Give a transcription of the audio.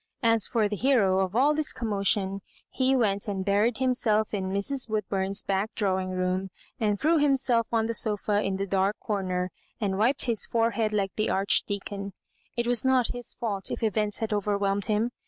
As for the hero of all this commotion, he went and buried himself in Mrs. "Woodbum's back drawing room, and threw himself on the sofa in the dark corner, and wiped his forehead like the Archdeacon. It was not his fault if events had overwhelmed him.